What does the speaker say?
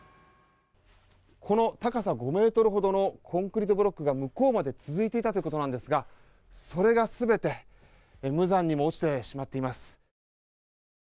この高さ、５ｍほどのコンクリートブロックが向こうまで続いていたということなんですがそれが全て無残にも落ちてしまっています。